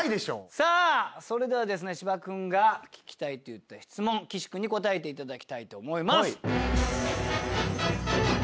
さぁそれでは芝君が聞きたいと言った質問岸君に答えていただきたいと思います。